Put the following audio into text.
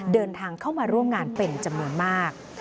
เดินทางเข้ามาร่วมงานเป็นจำนวนมาก